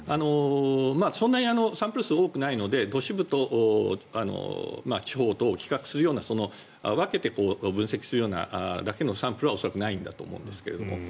そんなにサンプル数が多くないので都市部と地方とを比較するような分けて分析するようなだけのサンプルは恐らくないと思うんですが。